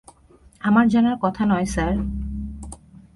আমার জানার কথা নয় স্যার।